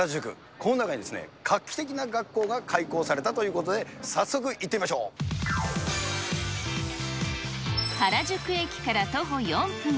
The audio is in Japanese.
この中に画期的な学校が開校されたということで、早速、行ってみ原宿駅から徒歩４分。